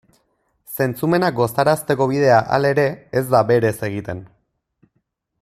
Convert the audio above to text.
Zentzumenak gozarazteko bidea, halere, ez da berez egiten.